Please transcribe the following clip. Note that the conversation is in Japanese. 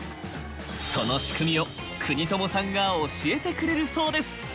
その仕組みを国友さんが教えてくれるそうです。